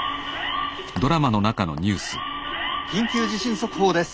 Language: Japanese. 「緊急地震速報です。